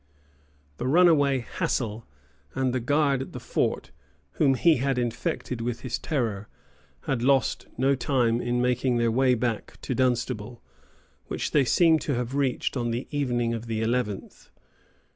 The runaway, Hassell, and the guard at the fort, whom he had infected with his terror, had lost no time in making their way back to Dunstable, which they seem to have reached on the evening of the eleventh.